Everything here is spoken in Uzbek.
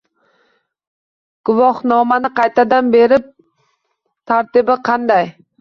Guvohnomani qaytadan berish tartibi qanday?